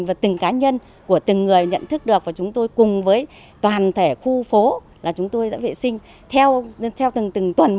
vì thực hiện người dân ý thức được nhiều hơn